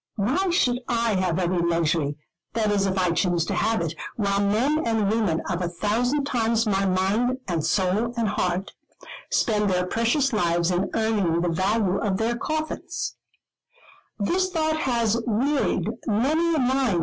Why should I have every luxury, that is if I choose to have it, while men and women of a thousand times my mind, and soul, and heart, spend their precious lives in earning the value of their coffins?